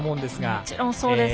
もちろんそうですね。